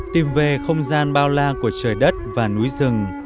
tìm về không gian bao la của trời đất và núi rừng